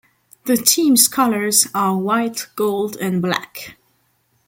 The team's colours are white, gold and black.